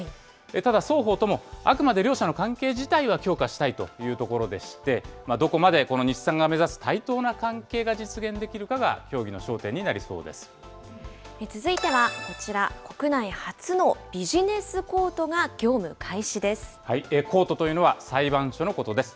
ただ、双方とも、あくまで両社の関係自体は強化したいというところでして、どこまでこの日産が目指す対等な関係が実現できるかが続いてはこちら、国内初のビコートというのは裁判所のことです。